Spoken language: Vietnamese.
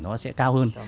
nó sẽ cao hơn